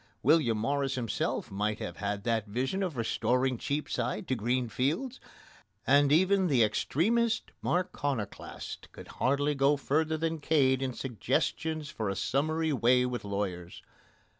William Morris himself might have had that vision of restoring Cheapside to green fields, and even the extremest Marconoclast could hardly go further than Cade in suggestions for a summary way with lawyers.